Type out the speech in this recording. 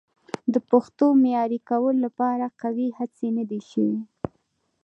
د پښتو د معیاري کولو لپاره قوي هڅې نه دي شوي.